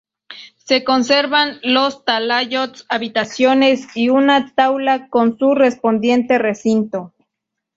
Se conservan dos talayots, habitaciones y una taula con su correspondiente recinto.